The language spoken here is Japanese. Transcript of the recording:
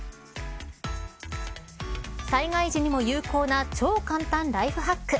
災害時にも有効な超簡単ライフハック。